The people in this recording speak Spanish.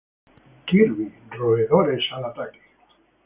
Kirby: ¡Roedores al ataque!